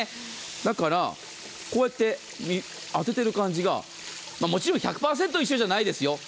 だから、こうやって当ててる感じがもちろん１００％一緒じゃないですよ